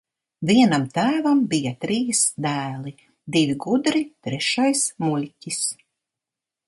Vienam tēvam bija trīs dēli - divi gudri, trešais muļķis.